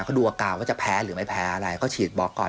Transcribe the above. ก็ดูอาการว่าจะแพ้หรือไม่แพ้อะไรก็ฉีดบล็อกก่อน